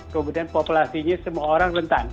kemudian populasinya semua orang rentan